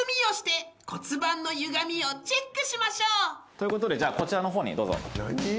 ということでこちらの方にどうぞ。